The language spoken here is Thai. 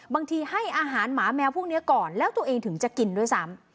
ให้อาหารหมาแมวพวกนี้ก่อนแล้วตัวเองถึงจะกินด้วยซ้ำ